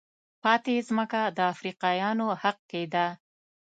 پاتې ځمکه د افریقایانو حق کېده.